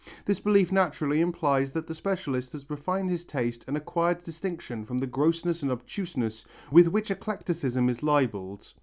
This belief naturally implies that the specialist has refined his taste and acquired distinction from the grossness and obtuseness with which eclecticism is libelled.